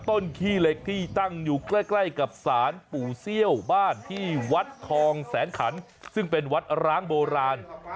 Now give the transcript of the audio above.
ขี้เหล็กที่ตั้งอยู่ใกล้กับศาลปู่เซี่ยวบ้านที่วัดทองแสนขันซึ่งเป็นวัดร้างโบราณ